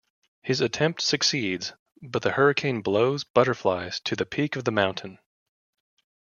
His attempt succeeds, but the hurricane blows butterflies to the peak of the mountain.